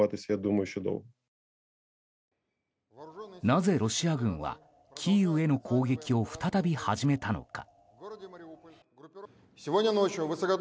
なぜ、ロシア軍はキーウへの攻撃を再び始めたのか。